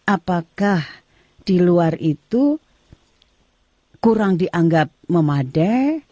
apakah di luar itu kurang dianggap memadai